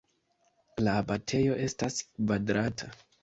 La abatejo estas kvadrata.